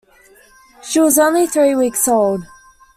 She was only three weeks old.